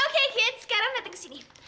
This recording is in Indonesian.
oke kids sekarang dateng kesini